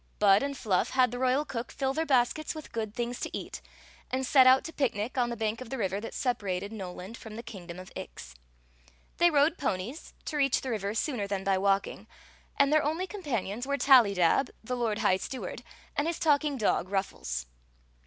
Bud and FlufT had the royal cook fill their baskets with good things to eat, and set out to picnic on the bank of the river that separated No land from the kingdom of Ix. They rode ponies, to reach the river sooner than by walking; and their only companions were Tallydab, the lord high stew ard, and his talking dog, Ruffles.